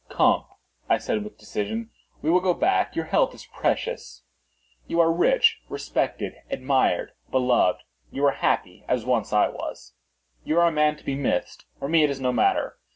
"Come," I said, with decision, "we will go back; your health is precious. You are rich, respected, admired, beloved; you are happy, as once I was. You are a man to be missed. For me it is no matter.